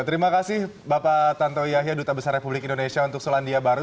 terima kasih bapak tanto yahya duta besar republik indonesia untuk selandia baru